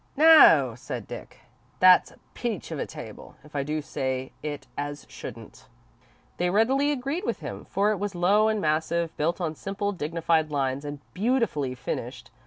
"Now," said Dick, "that's a peach of a table, if I do say it as shouldn't." They readily agreed with him, for it was low and massive, built on simple, dignified lines, and beautifully finished.